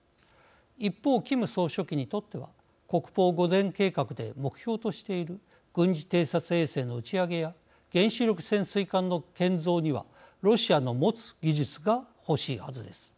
一方、キム総書記にとっては国防五か年計画で目標としている軍事偵察衛星の打ち上げや原子力潜水艦の建造にはロシアの持つ技術が欲しいはずです。